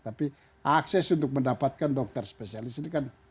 tapi akses untuk mendapatkan dokter spesialis ini kan